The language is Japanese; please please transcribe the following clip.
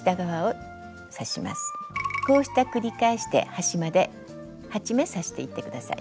こうした繰り返しで端まで８目刺していって下さい。